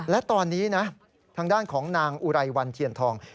และตอนนี้นะทางด้านของนางอุไรวันเทียนทอง